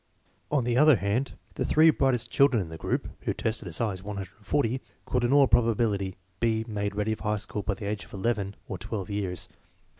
On the other hand, the three brightest children in the group, who tested as high as 140, could in all probability be made ready for high school by the age of eleven or twelve years.